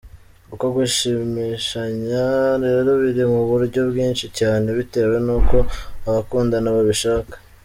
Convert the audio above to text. Uko gushimishinya rero biri mu buryo bwinshi cyane bitewe n’uko abakundana babishaka.